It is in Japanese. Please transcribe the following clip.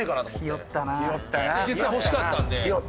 実際欲しかったんで。